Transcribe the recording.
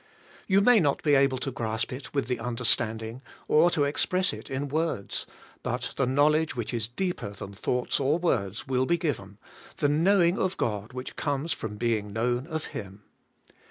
You may not be able to grasp it with the understanding, or to express it in words; but the knowledge which is deeper than thoughts or words will be given, — the knowing of 60 ABIDE IN CUEIST: God which comes of being known of Him.